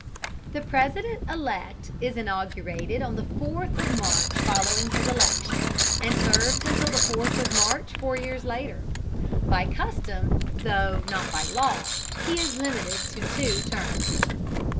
The President elect is inaugurated on the 4th of March following his election, and serves until the 4th of March four years later. By custom, though not by law, he is limited to two terms.